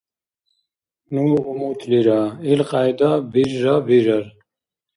Ну умутлира, илкьяйда бирра бирар!